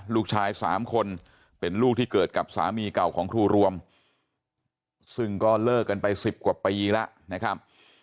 ลูกชาย๓คนเป็นลูกที่เกิดกับสามีเก่าของครูรวมซึ่งก็เลิกกันไป๑๐กว่าปีแล้วนะครับ